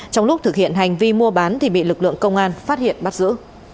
trong lúc thực hiện hành vi mua bán thì bị lực lượng công an phát hiện bắt giữ